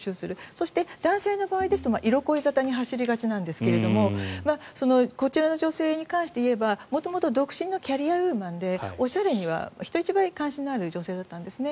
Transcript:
そして、男性の場合ですと色恋沙汰に走りがちなんですがこちらの女性に関して言えば元々、独身のキャリアウーマンでおしゃれには人一倍関心のある方なんですね。